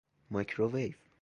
مایکروویو